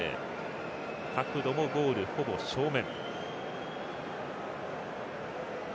角度もゴール、ほぼ正面。